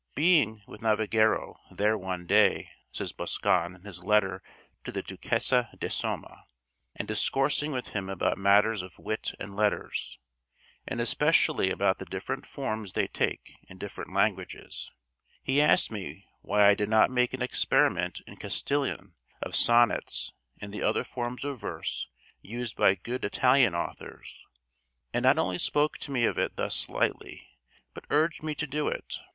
"Being with Navagiero there one day," says Boscan in his 'Letter to the Duquesa de Soma,' "and discoursing with him about matters of wit and letters, and especially about the different forms they take in different languages, he asked me why I did not make an experiment in Castilian of sonnets and the other forms of verse used by good Italian authors; and not only spoke to me of it thus slightly, but urged me to do it....